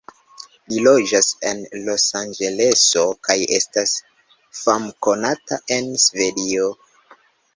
Li loĝas en Los-Anĝeleso kaj estas famkonata en Svedio.